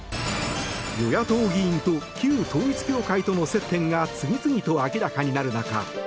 与野党議員と旧統一教会との接点が次々と明らかになる中